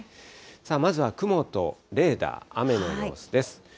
さあ、まずは雲とレーダー、雨の様子です。